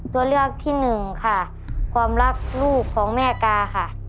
ตัวเลือกที่หนึ่งค่ะความรักลูกของแม่กาค่ะ